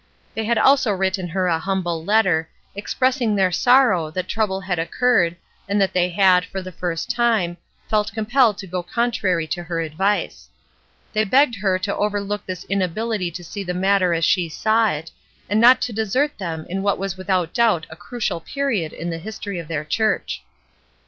They had also written her a humble letter, expressing their sorrow that trouble had occurred and that they had, for the first time, felt compelled to go contrary to her advice. They begged her to overlook this inability to see the matter as she saw it, and not to desert them in what was without doubt a crucial period in the history of their church.